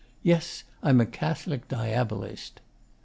Yes, I'm a Catholic Diabolist.